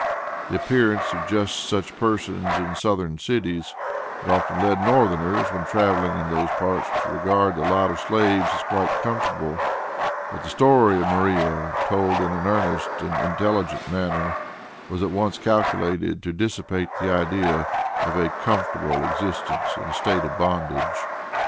The appearance of just such persons in Southern cities had often led Northerners, when traveling in those parts, to regard the lot of slaves as quite comfortable. But the story of Maria, told in an earnest and intelligent manner, was at once calculated to dissipate the idea of a "comfortable" existence in a state of bondage.